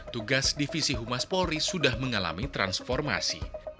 tugas divisi humas polri sudah mengalami transformasi